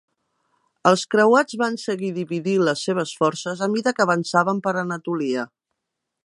Els creuats van seguir dividint les seves forces a mida que avançaven per Anatolia.